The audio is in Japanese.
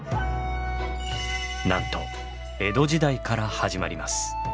なんと江戸時代から始まります。